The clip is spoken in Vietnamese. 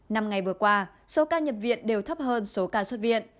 năm ngày vừa qua số ca nhập viện đều thấp hơn số ca xuất viện